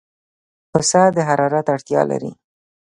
پسه د حرارت اړتیا لري.